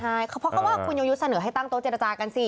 ใช่เขาก็ว่าคุณโยยุเสนอให้ตั้งโต๊ะเจรจากันสิ